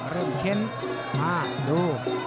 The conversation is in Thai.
เริ่มเข็นมาดู